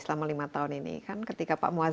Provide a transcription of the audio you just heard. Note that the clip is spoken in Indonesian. sudah ada dalam umumnya kondisi film